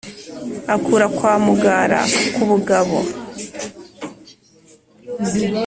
akura kwa mugara ku bugabo.